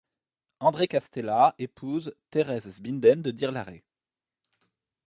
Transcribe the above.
André Castella épouse Thérèse Zbinden de Dirlaret.